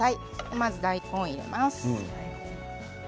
まず大根を入れます。